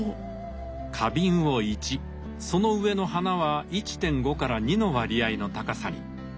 花瓶を１その上の花は１．５から２の割合の高さに。